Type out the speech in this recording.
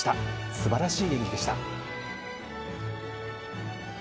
素晴らしい演技でした。